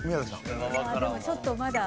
でもちょっとまだ。